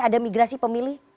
ada migrasi pemilih